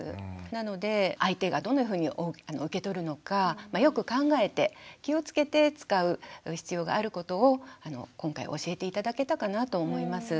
なので相手がどんなふうに受け取るのかよく考えて気をつけて使う必要があることを今回教えて頂けたかなと思います。